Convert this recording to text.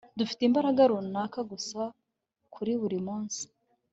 dufite imbaraga runaka gusa kuri buri munsi